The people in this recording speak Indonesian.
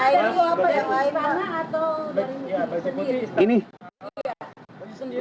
yang lainnya apa yang istana atau dari bapak sendiri